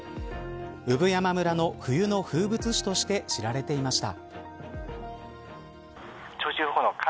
産山村の冬の風物詩として知られていました。